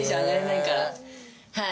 はい。